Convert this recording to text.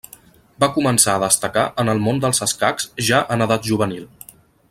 Va començar a destacar en el món dels escacs ja en edat juvenil.